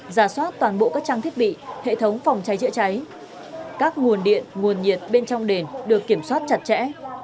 giả soát toàn bộ các trang thiết bị hệ thống phòng cháy chữa cháy các nguồn điện nguồn nhiệt bên trong đền được kiểm soát chặt chẽ